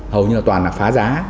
hầu như là toàn là phá giá